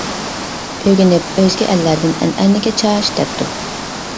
ئۆگىنىپ ئۆزگە ئەللەردىن ئەنئەنىگە چاچ دەپتۇ.